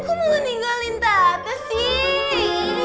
kok mau ninggalin tata sih